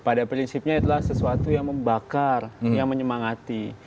pada prinsipnya adalah sesuatu yang membakar yang menyemangati